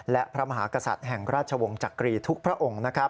และพระมหากษัตริย์แห่งราชวงศ์จักรีทุกพระองค์